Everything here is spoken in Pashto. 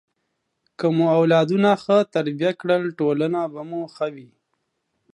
که مو اولادونه ښه تربیه کړل، ټولنه به مو ښه وي.